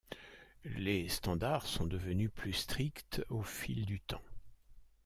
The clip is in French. Les standards sont devenus plus stricts au fil du temps.